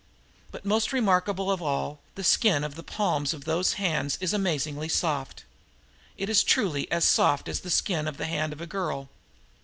But, most remarkable of all, the skin of the palms of those hands is amazingly soft. It is truly as soft as the skin of the hand of a girl.